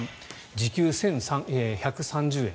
時給１１３０円。